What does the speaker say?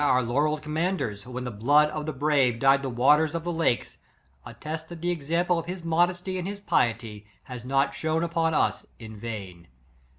The annunciations of victory by our laurelled commanders, when the blood of the brave dyed the waters of the lakes, attest that the example of his modesty and SB his piety, has not shone upon us in vain.